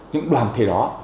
những đoàn thể đó